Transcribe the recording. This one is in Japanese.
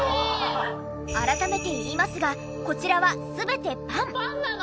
改めて言いますがこちらは全てパン。